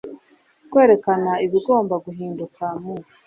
kwerekana ibigomba guhinduka mu